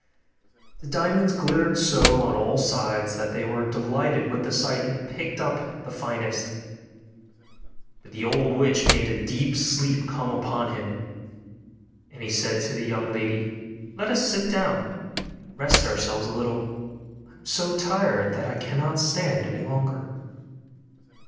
The diamonds glittered so on all sides that they were delighted with the sight and picked up the finest. But the old witch made a deep sleep come upon him, and he said to the young lady, 'Let us sit down and rest ourselves a little, I am so tired that I cannot stand any longer.